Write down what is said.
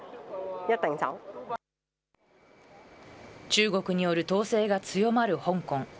中国による統制が強まる香港。